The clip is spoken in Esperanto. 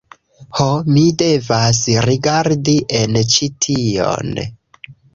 Ho, mi devas rigardi en ĉi tion